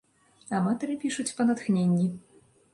Аматары пішуць па натхненні.